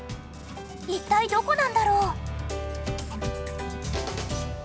一体どこなんだろう？